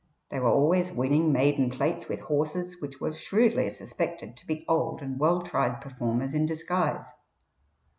They were always winning maiden plates with horses which were shrewdly suspected to be old and well tried performers in disguise.